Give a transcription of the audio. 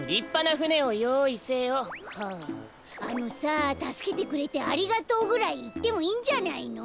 ああのさ「たすけてくれてありがとう」ぐらいいってもいいんじゃないの？